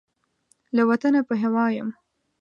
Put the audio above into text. له وطنه په هوا یم